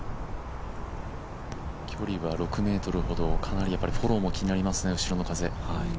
距離は６ｍほどかなりフォローも気になりますね、後ろの風。